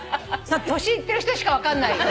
年いってる人しか分かんないよ。